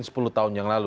sepuluh tahun yang lalu